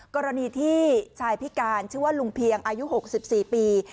กรณีที่ชายพิการชื่อว่าลุงเพียงอายุ๖๔ปี